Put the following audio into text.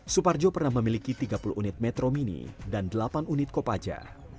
suparjo pernah memiliki tiga puluh unit metro mini dan delapan unit kopaja